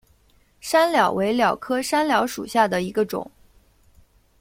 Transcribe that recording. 山蓼为蓼科山蓼属下的一个种。